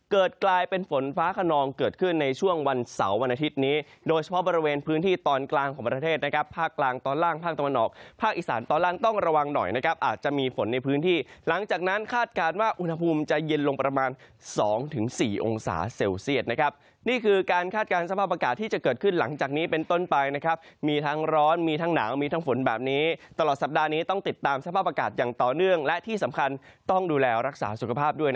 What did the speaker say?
เกิดกลายเป็นฝนฟ้าขนองเกิดขึ้นในช่วงวันเสาร์วันอาทิตย์นี้โดยเฉพาะบริเวณพื้นที่ตอนกลางของประเทศนะครับภาคกลางตอนล่างภาคตะวันออกภาคอีสานตอนล่างต้องระวังหน่อยนะครับอาจจะมีฝนในพื้นที่หลังจากนั้นคาดการณ์ว่าอุณหภูมิจะเย็นลงประมาณสองถึงสี่องศาเซลเซลเซียสนะครับ